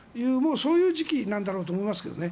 そういう時期なんだろうと思いますがね。